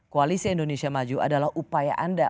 koalisi indonesia maju adalah upaya anda